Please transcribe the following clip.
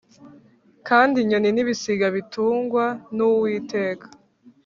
kandi inyoni n ibisiga bitungwa n\uwiteka